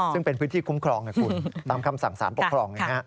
ซึ่งเป็นพื้นที่คุ้มครองนะคุณตามคำสั่งสารปกครอง